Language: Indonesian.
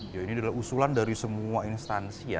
ya ini adalah usulan dari semua instansi ya